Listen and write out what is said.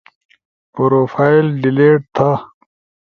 پروفائل ڈیلیٹ تھا